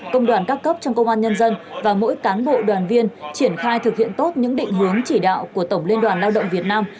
công đoàn các cấp trong công an nhân dân và mỗi cán bộ đoàn viên triển khai thực hiện tốt những định hướng chỉ đạo của tổng liên đoàn lao động việt nam